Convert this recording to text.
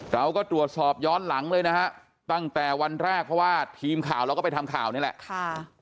เราก็ตรวจสอบย้อนหลังเลยนะฮะตั้งแต่วันแรกเพราะว่าทีมข่าวเราก็ไปทำข่าวนี่แหละค่ะ